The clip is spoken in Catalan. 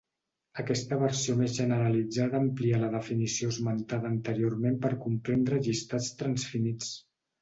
Aquesta versió més generalitzada amplia la definició esmentada anteriorment per comprendre llistats transfinits.